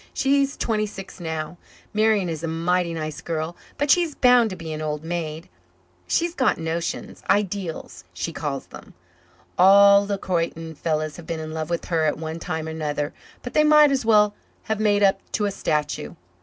She's twenty six now. Marian is a mighty nice girl, but she's bound to be an old maid. She's got notions ideals, she calls 'em. All the Croyden fellows have been in love with her at one time or another but they might as well have made up to a statue.